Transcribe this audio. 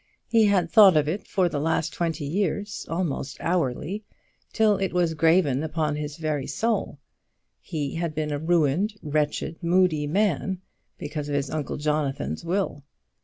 He had thought of it for the last twenty years, almost hourly, till it was graven upon his very soul. He had been a ruined, wretched, moody man, because of his uncle Jonathan's will.